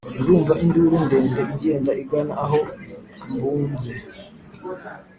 Ndumva induru ndende Igenda igana aho mbunze: